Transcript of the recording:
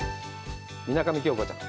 水上京香ちゃん。